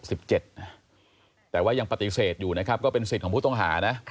แต่ว่ายังปฏิเสธอยู่นะครับก็เป็นสิทธิ์ของผู้ต้องหานะ